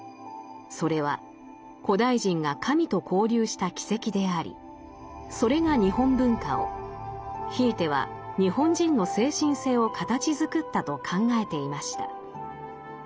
それは古代人が神と交流した軌跡でありそれが日本文化をひいては日本人の精神性を形づくったと考えていました。